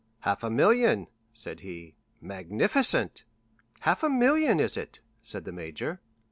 "Half a million," said he, "magnificent!" "Half a million, is it?" said the major.